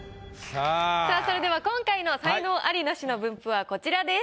さあそれでは今回の才能アリ・ナシの分布はこちらです。